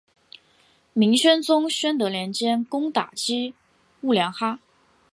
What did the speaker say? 明宣宗宣德年间攻打击兀良哈。